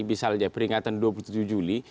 misalnya peringatan dua puluh tujuh juli